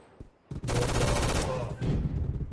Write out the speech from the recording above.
مردارخوار